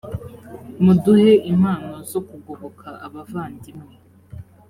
muduhe impano zo kugoboka abavandimwe